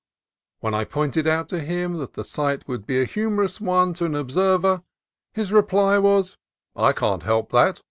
When I pointed out to him that the s.ght would be a humorous one to an observer, his reply was, 1 can t help that.